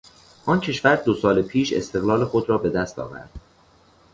آن کشور دو سال پیش استقلال خود را به دست آورد.